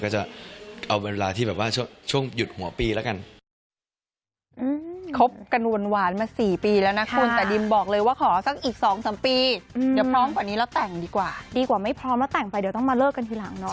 ก็จะเอาเวลาที่แบบว่าช่วงหยุดหัวปีแล้วกัน